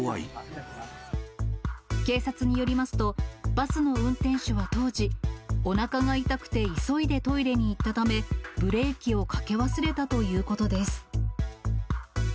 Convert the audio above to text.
警察によりますと、バスの運転手は当時、おなかが痛くて急いでトイレに行ったため、ブレーキをかけ忘れたということです。